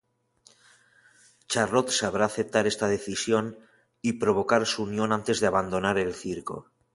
Charlot sabrá aceptar esta decisión y provocar su unión antes de abandonar el circo.